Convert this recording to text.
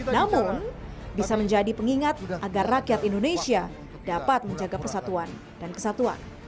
namun bisa menjadi pengingat agar rakyat indonesia dapat menjaga persatuan dan kesatuan